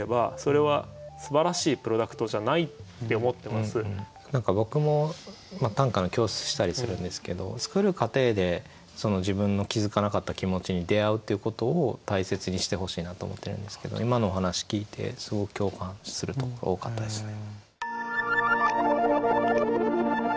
だからあらゆる創作物は言えてて何か僕も短歌の教室したりするんですけど作る過程で自分の気付かなかった気持ちに出会うっていうことを大切にしてほしいなと思ってるんですけど今のお話聞いてすごく共感するところ多かったですね。